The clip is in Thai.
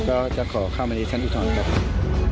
ก็จะขอเข้ามาในชั้นอุทธรณ์ครับ